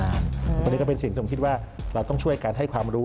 อันนี้ก็เป็นสิ่งทรงคิดว่าเราต้องช่วยกันให้ความรู้